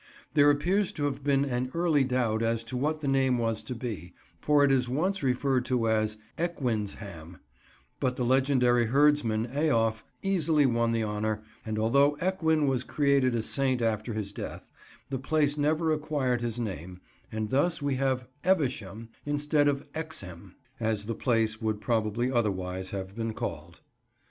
There appears to have been an early doubt as to what the name was to be, for it is once referred to as "Ecguineshamme"; but the legendary herdsman Eof easily won the honour, and although Ecgwin was created a saint after his death, the place never acquired his name and thus we have "Evesham" instead of "Exham," as the place would probably otherwise have been called.